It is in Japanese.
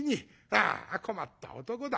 ああ困った男だ。